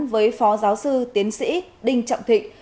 với phó giáo sư tiến sĩ đinh trọng thịnh